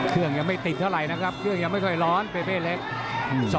เครื่องยังไม่ติดเท่าไรนะครับเครื่องยังไม่ค่อยร้อนเป้เปตี